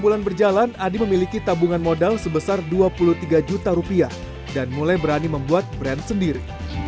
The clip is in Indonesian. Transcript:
enam bulan berjalan adi memiliki tabungan modal sebesar dua puluh tiga juta rupiah dan mulai berani membuat brand sendiri